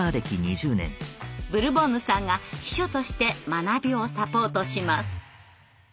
ブルボンヌさんが秘書として学びをサポートします。